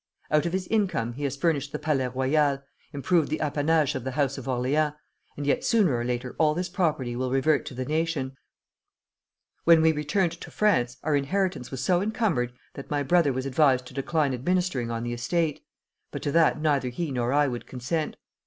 Out of his income he has furnished the Palais Royal, improved the apanages of the House of Orleans; and yet sooner or later all this property will revert to the nation. When we returned to France our inheritance was so encumbered that my brother was advised to decline administering on the estate; but to that neither he nor I would consent.